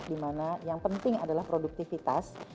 di mana yang penting adalah produktivitas